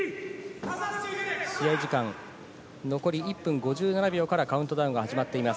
試合時間残り１分５７秒からカウントダウンが始まっています。